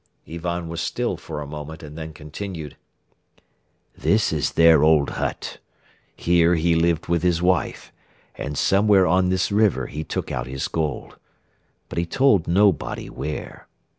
..." Ivan was still for a moment and then continued: "This is their old hut. Here he lived with his wife and somewhere on this river he took out his gold. But he told nobody where.